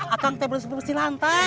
akang tebel tebel pasti lantai